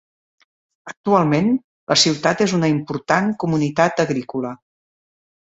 Actualment, la ciutat és una important comunitat agrícola.